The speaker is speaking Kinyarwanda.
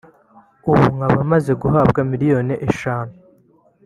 ubu nkaba maze guhabwa miliyoni eshanu